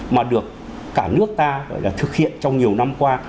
mà được cả nước ta gọi là thực hiện trong nhiều năm qua